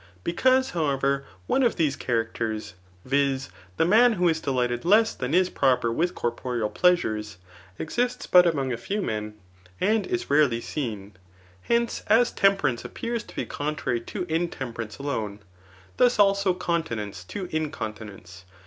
Because, however, one of these characters [viz. the man who is delighted less than is proper with corporeal pleasures,] exists but among a few men, and is rarely seen ; hence, as temperance appears to be contrary to in temperance alone, thus, also, continence to incontinence.